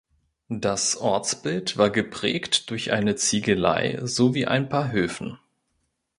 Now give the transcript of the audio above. Das Ortsbild war geprägt durch eine Ziegelei sowie ein paar Höfen.